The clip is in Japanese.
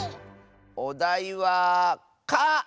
おだいは「か」！